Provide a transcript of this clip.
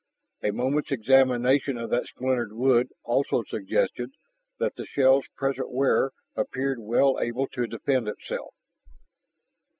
A moment's examination of that splintered wood also suggested that the shell's present wearer appeared well able to defend itself.